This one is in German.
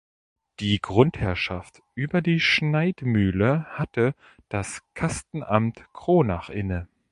Die Grundherrschaft über die Schneidmühle hatte das Kastenamt Kronach inne.